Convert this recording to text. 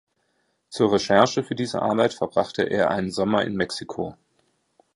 Zur Recherche für diese Arbeit verbrachte er einen Sommer in Mexiko.